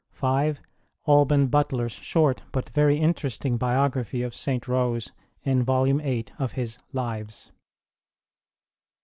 (5) Alban Butler s short but very interesting biography of St. Rose in vol. viii. of his Lives.